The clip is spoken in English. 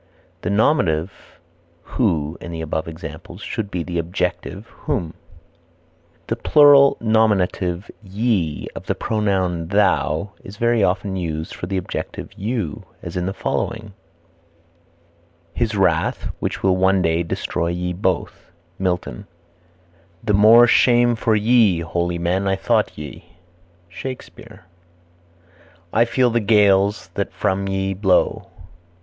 The nominative who in the above examples should be the objective whom. The plural nominative ye of the pronoun thou is very often used for the objective you, as in the following: "His wrath which will one day destroy ye both." Milton. "The more shame for ye; holy men I thought ye." Shakespeare. "I feel the gales that from ye blow."